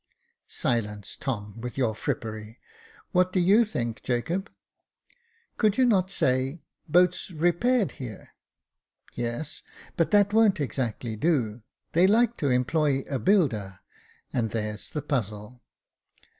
" Silence, Tom, with your frippery ; what do you think, Jacob.?" Could you not say, * Boats repaired here '?"" Yes, but that won't exactly do ; they like to employ a builder — and there's the puzzle."